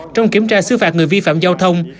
trong kiểm tra xứ phạt người vi phạm giao thông